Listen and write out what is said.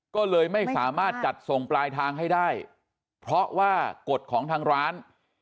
ก็เลยไม่สามารถจัดส่งปลายทางให้ได้เพราะว่ากฎของทางร้าน